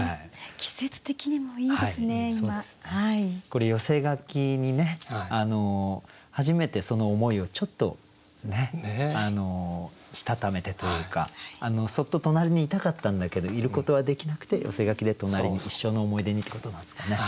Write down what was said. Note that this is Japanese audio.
これ寄せ書きにね初めてその思いをちょっとしたためてというかそっと隣にいたかったんだけどいることはできなくて寄せ書きで隣に一生の思い出にってことなんですかね。